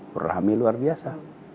berhami luar biasa